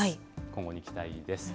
今後に期待です。